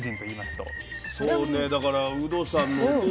そうねだからウドさん。